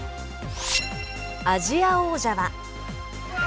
アジア王者は。